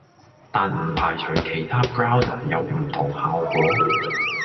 但唔排除其他 Browser 有唔同效果